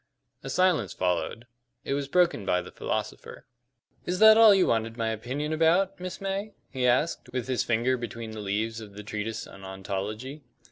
A silence followed. It was broken by the philosopher. "Is that all you wanted my opinion about, Miss May?" he asked, with his finger between the leaves of the treatise on ontology.